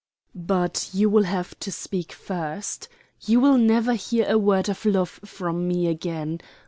But you will have to speak first. You will never hear a word of love from me again.